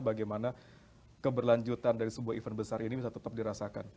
bagaimana keberlanjutan dari sebuah event besar ini bisa tetap dirasakan